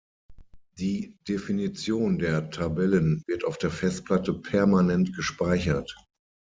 Die Definition der Tabellen wird auf der Festplatte permanent gespeichert.